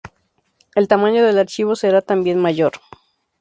el tamaño del archivo será también mayor